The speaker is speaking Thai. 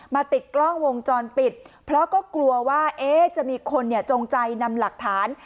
ติดกล้องวงจรปิดเพราะก็กลัวว่าจะมีคนจงใจนำหลักฐาน